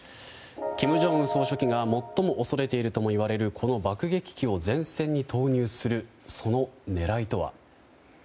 金正恩総書記が最も恐れているともいわれるこの爆撃機を前線に投入するその狙いとは？